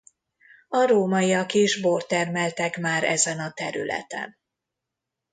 A rómaiak is bort termeltek már ezen a területen.